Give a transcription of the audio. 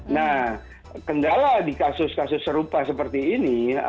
nah kendala di kasus kasus serupa seperti ini